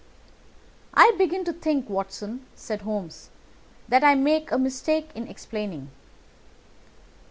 "I begin to think, Watson," said Holmes, "that I make a mistake in explaining.